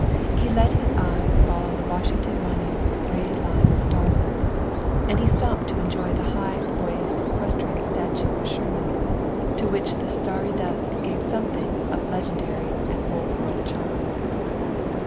He let his eyes follow the Washington Monument's gray line starward; and he stopped to enjoy the high poised equestrian statue of Sherman, to which the starry dusk gave something of legendary and Old World charm.